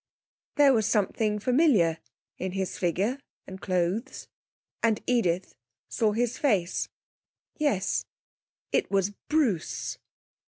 There was something familiar in his figure and clothes, and Edith saw his face. Yes, it was Bruce.